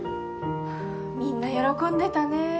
みんな喜んでたね。